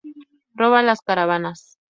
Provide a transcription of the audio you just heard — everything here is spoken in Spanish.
Roba las caravanas.